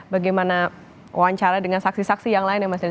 bagaimana wawancara dengan saksi saksi yang lain ya mas dani